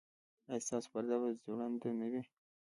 ایا ستاسو پرده به ځوړنده نه وي؟